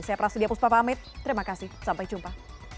saya prasidya puspa pamit terima kasih sampai jumpa